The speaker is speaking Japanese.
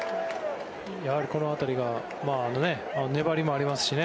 やはり、この辺りが粘りもありますしね。